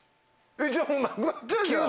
じゃあもうなくなっちゃうじゃない。